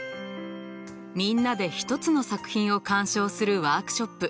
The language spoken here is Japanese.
みんなで一つの作品を鑑賞するワークショップ。